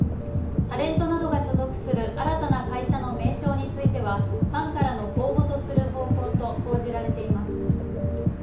タレントなどが所属する新たな会社の名称についてはファンからの公募とする方向と報じられています。